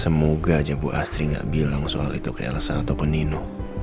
semoga aja bu astri nggak bilang soal itu klsa ataupun nino